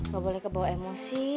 gue boleh kebawa emosi